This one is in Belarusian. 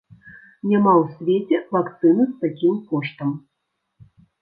Няма ў свеце вакцыны з такім коштам!